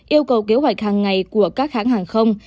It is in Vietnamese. yêu cầu kế hoạch hàng ngày của các hãng hàng không